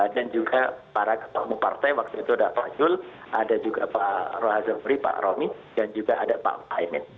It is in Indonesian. dan juga para ketua umum partai waktu itu ada pak yul ada juga pak roazafri pak romi dan juga ada pak aimen